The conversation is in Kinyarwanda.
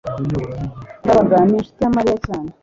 ndabaga ni inshuti ya mariya cyane